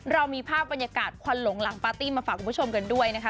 เรามีภาพบรรยากาศควันหลงหลังปาร์ตี้มาฝากคุณผู้ชมกันด้วยนะคะ